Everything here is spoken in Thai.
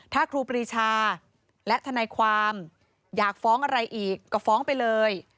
ถ้าครูปรีชาและทนายความอยากฟ้องอะไรอีกก็ฟ้องไปเลย